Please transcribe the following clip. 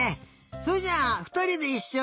それじゃあふたりでいっしょに。